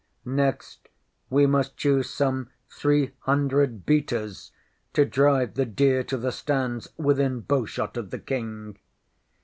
Next, we must choose some three hundred beaters to drive the deer to the stands within bowshot of the King.